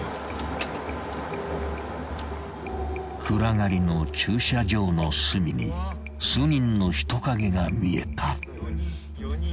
［暗がりの駐車場の隅に数人の人影が見えた］